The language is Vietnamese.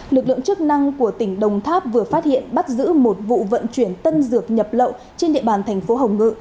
lực lượng chức năng của tỉnh đồng tháp vừa phát hiện bắt giữ một vụ vận chuyển tân dược nhập lậu trên địa bàn thành phố hồng ngự